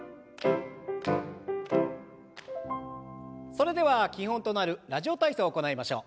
それでは基本となる「ラジオ体操」を行いましょう。